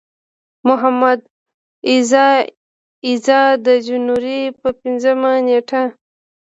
محمد اياز اياز د جنوري پۀ پينځمه نيټه